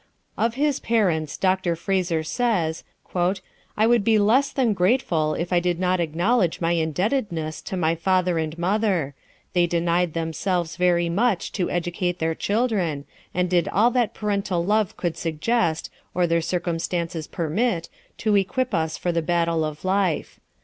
Of his parents Dr. Fraser says: "I would be less than grateful if I did not acknowledge my indebtedness to my father and mother. They denied themselves very much to educate their children, and did all that parental love could suggest, or their circumstances permit, to equip us for the battle of life.